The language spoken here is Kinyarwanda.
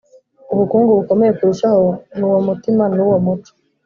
ubukungu bukomeye kurushaho ni uwo mutima n’uwo muco